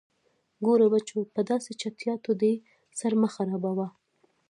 _ګوره بچو، په داسې چټياټو دې سر مه خرابوه.